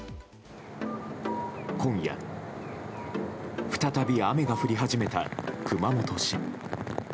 今夜再び雨が降り始めた熊本市。